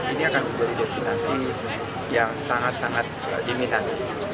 ini akan menjadi destinasi yang sangat sangat diminat